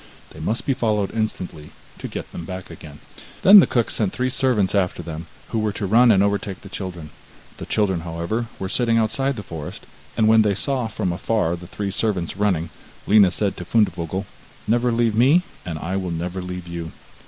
They must be followed instantly to get them back again.' Then the cook sent three servants after them, who were to run and overtake the children. The children, however, were sitting outside the forest, and when they saw from afar the three servants running, Lina said to Fundevogel: 'Never leave me, and I will never leave you.